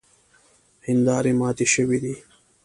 هیندارې ماتې شوې دي.